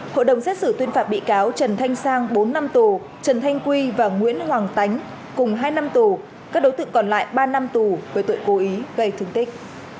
hội đồng xét xử tuyên phạt bị cáo trần thanh sang bốn năm tù trần thanh quy và nguyễn hoàng tánh cùng hai năm tù các đối tượng còn lại ba năm tù về tội cố ý gây thương tích